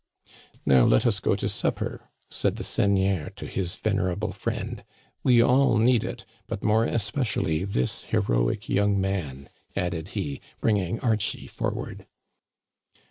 *' Now, let us go to supper," said the seigneur to his venerable friend. '* We all need it, but more especially this heroic young man," added he, bringing Archie for ward.